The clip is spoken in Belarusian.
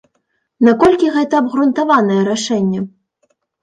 Наколькі гэта абгрунтаванае рашэнне?